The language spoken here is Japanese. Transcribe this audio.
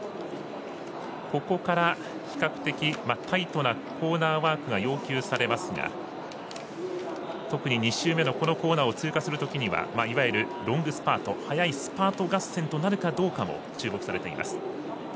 ここから、比較的タイトなコーナーワークが要求されますが特に２周目の、このコーナーを通過するときにはいわゆるロングスパート早いスパート合戦となるかどうかも注目されています。